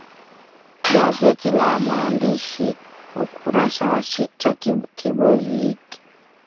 gazeti la mwananchi ukurasa wa sita kibonzo hiki